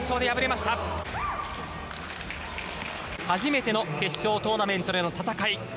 初めての決勝トーナメントでの戦い